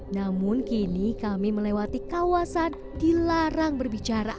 namun kini kami melewati kawasan dilarang berbicara